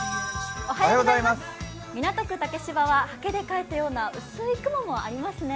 港区竹芝ははけで描いたような薄い雲もありますね。